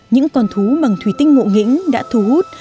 những con thú bằng thủy tinh ngộ nghĩnh đã thu hút